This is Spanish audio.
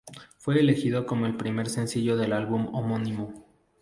Fue elegido como el primer sencillo del álbum homónimo.